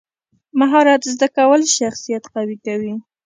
مهارت زده کول شخصیت قوي کوي.